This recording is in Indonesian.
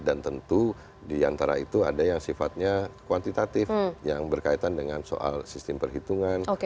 dan tentu diantara itu ada yang sifatnya kuantitatif yang berkaitan dengan soal sistem perhitungan